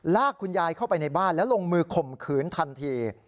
ลากคุณยายเข้าไปในบ้านแล้วลงมือข่มขืนทันที